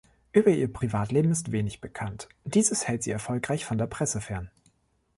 Über ihr Privatleben ist wenig bekannt, dieses hält sie erfolgreich von der Presse fern.